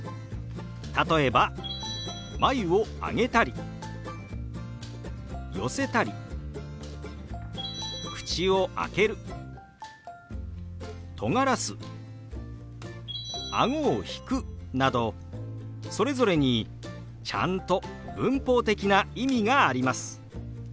例えば眉を上げたり寄せたり口を開けるとがらすあごを引くなどそれぞれにちゃんと文法的な意味があります。